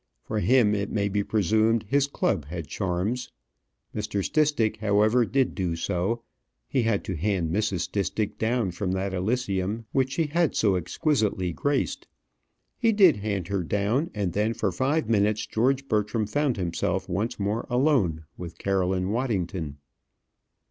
For him, it may be presumed, his club had charms. Mr. Stistick, however, did do so; he had to hand Mrs. Stistick down from that elysium which she had so exquisitely graced. He did hand her down; and then for five minutes George Bertram found himself once more alone with Caroline Waddington.